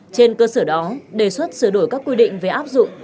trên cơ sở đó đề xuất sửa đổi các quy định về áp dụng